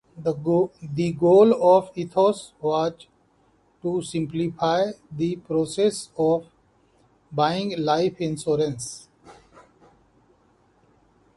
The goal of Ethos was to simplify the process of buying life insurance.